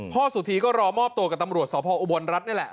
สุธีก็รอมอบตัวกับตำรวจสพอุบลรัฐนี่แหละ